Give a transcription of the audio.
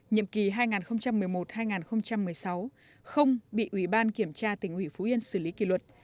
nhiệm kỳ hai nghìn một mươi một hai nghìn một mươi sáu không bị ủy ban kiểm tra tỉnh ủy phú yên xử lý kỷ luật